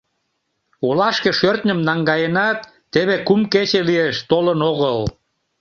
Олашке шӧртньым наҥгаенат, теве кум кече лиеш, толын огыл.